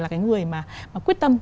là cái người mà quyết tâm